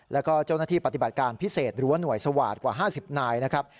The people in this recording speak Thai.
แล้วก็เจ้าหน้าที่ปฏิบัติการพิเศษหรือว่าหน่วยสวาตกว่า๕๐นายนะครับ